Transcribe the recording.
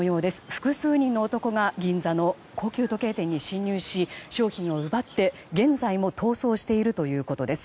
複数人の男が銀座の高級時計店に侵入し商品を奪って現在も逃走しているということです。